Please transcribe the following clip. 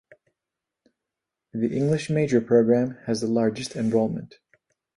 The English major program has the largest enrollment.